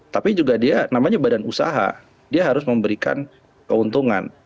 tapi juga dia namanya badan usaha dia harus memberikan keuntungan